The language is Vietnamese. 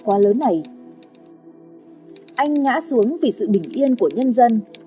quá lớn này anh ngã xuống vì sự bình yên của nhân dân